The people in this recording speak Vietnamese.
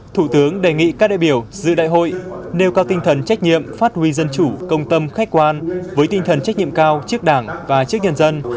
thủ tướng đề nghị các đại biểu dự đại hội nêu cao tinh thần trách nhiệm phát huy dân chủ công tâm khách quan với tinh thần trách nhiệm cao trước đảng và trước nhân dân